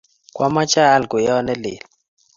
Kwamache aal kweyot ne lel